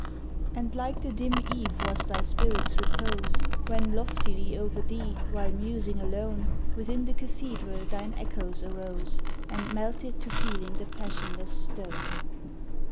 And like the dim eve was thy spirit's repose, When loftily o'er thee, while musing alone, Within the cathedral thine echoes arose And melted to feeling the passionless stone.